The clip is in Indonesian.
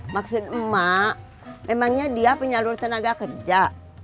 maksud emak memangnya dia penyalur tenaga kerja